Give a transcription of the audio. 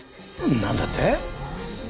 なんだって？